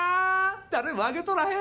誰も挙げとらへん。